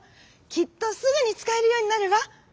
きっとすぐにつかえるようになるわ。